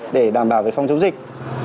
để đảm bảo về phòng dịch